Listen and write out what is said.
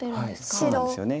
そうなんですよね。